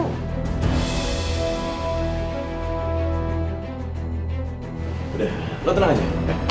udah lo tenang aja